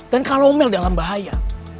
dan kalau mel dalam bahaya